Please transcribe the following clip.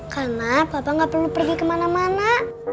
karena bapak nggak perlu pergi kemana mana